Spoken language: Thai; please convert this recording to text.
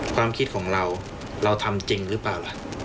ความคิดของเราเราทำจริงหรือเปล่าล่ะ